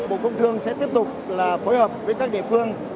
bộ công thương sẽ tiếp tục phối hợp với các địa phương